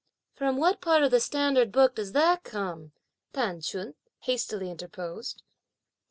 "From what part of the standard books does that come?" T'an Ch'un hastily interposed.